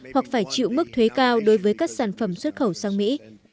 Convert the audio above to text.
hoặc phải chịu mức thuế cao đối với các sản phẩm xuất khẩu sang mỹ